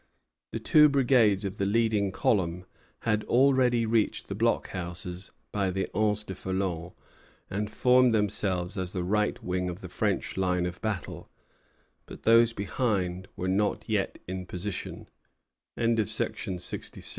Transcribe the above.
The two brigades of the leading column had already reached the blockhouses by the Anse du Foulon, and formed themselves as the right wing of the French line of battle; but those behind were not yet in positi